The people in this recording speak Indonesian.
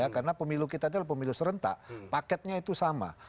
karena pemilu kita adalah pemilu serentak paketnya itu sama